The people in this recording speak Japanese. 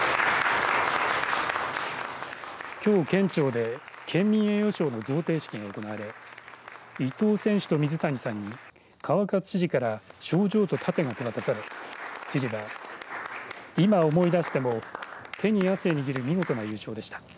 きょう、県庁で県民栄誉賞の贈呈式が行われ伊藤選手と水谷さんに川勝知事から賞状と盾が手渡され知事は今、思い出しても手に汗握る見事な優勝でした。